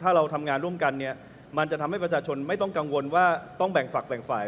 ถ้าเราทำงานร่วมกันเนี่ยมันจะทำให้ประชาชนไม่ต้องกังวลว่าต้องแบ่งฝักแบ่งฝ่าย